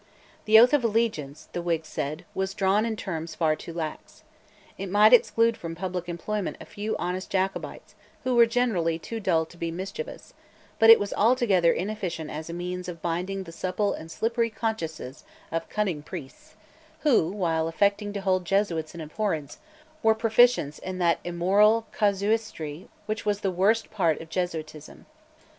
The oath of allegiance, the Whigs said, was drawn in terms far too lax. It might exclude from public employment a few honest Jacobites who were generally too dull to be mischievous; but it was altogether inefficient as a means of binding the supple and slippery consciences of cunning priests, who, while affecting to hold the Jesuits in abhorrence, were proficients in that immoral casuistry which was the worst part of Jesuitism.